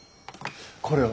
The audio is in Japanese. これは。